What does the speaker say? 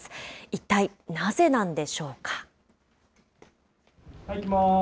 一体なぜなんでしょうか。